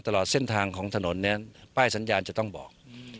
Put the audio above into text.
ตลอดเส้นทางของถนนเนี่ยป้ายสัญญาณจะต้องบอก